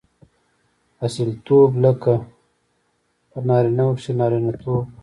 اصیلتوب؛ لکه په نارينه وو کښي نارينه توب.